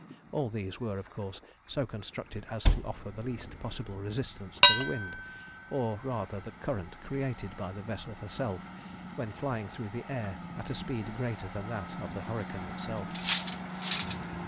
All these were, of course, so constructed as to offer the least possible resistance to the wind, or rather the current created by the vessel herself when flying through the air at a speed greater than that of the hurricane itself.